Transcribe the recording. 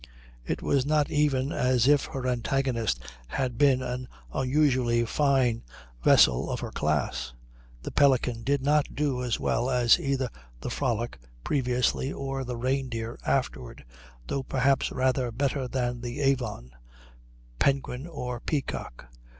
It was not even as if her antagonist had been an unusually fine vessel of her class. The Pelican did not do as well as either the Frolic previously, or the Reindeer afterward, though perhaps rather better than the Avon, Penguin, or Peacock.